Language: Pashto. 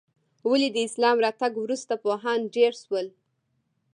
ولې د اسلام راتګ وروسته پوهان ډېر شول؟